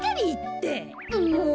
もう！